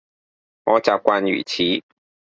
我習慣如此